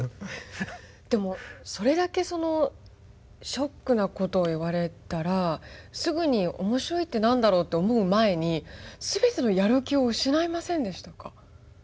でもそれだけショックなことを言われたらすぐに面白いって何だろうと思う前に全てのやる気を失いませんでしたか？